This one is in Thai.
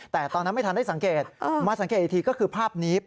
แต่ตอนนั้นไม่ทันได้สังเกตมาสังเกตอีกทีก็คือภาพนี้